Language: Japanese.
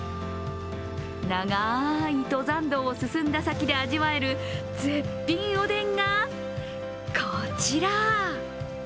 長い登山道を進んだ先で味わえる絶品おでんが、こちら。